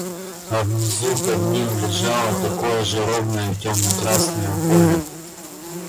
А внизу под ним лежало такое же ровное темно-красное поле.